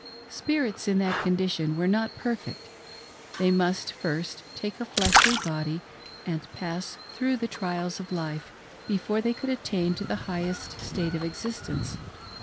Spirits in that condition were not perfect, they must ftrst take a fleshly body, and pass through the trials of life, before they could attain to the highest state of existence.